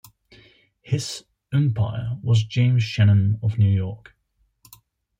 His umpire was James Shannon of New York.